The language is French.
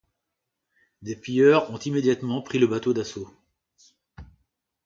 Des pilleurs ont immédiatement pris le bateau d'assaut.